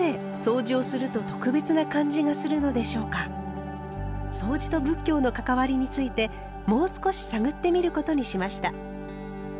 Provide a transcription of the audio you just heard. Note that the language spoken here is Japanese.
でもそうじと仏教の関わりについてもう少し探ってみることにしました。